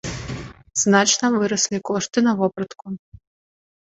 Значна выраслі кошты на вопратку.